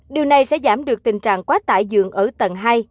điều này sẽ giảm được tình trạng quá tải dường ở tầng hai